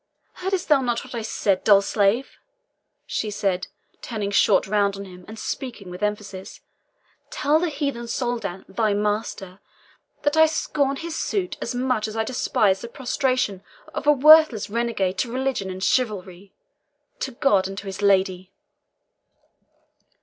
"Heard'st thou not what I said, dull slave?" she said, turning short round on him, and speaking with emphasis. "Tell the heathen Soldan, thy master, that I scorn his suit as much as I despise the prostration of a worthless renegade to religion and chivalry to God and to his lady!"